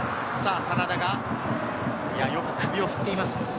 真田がよく首を振っています。